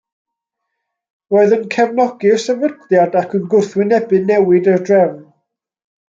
Roedd yn cefnogi'r sefydliad ac yn gwrthwynebu newid i'r drefn.